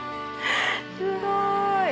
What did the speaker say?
すごーい！